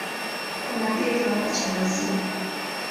Kuna pia kiwanda cha maziwa.